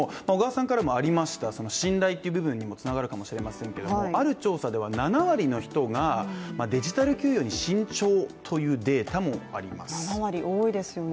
信頼という部分にもつながるかもしれませんけれども、ある調査では７割の人がデジタル給与に慎重というデータもあります。